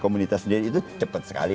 komunitas dia itu cepat sekali